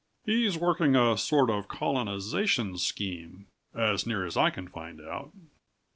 He's working a sort of colonization scheme, as near as I can find out.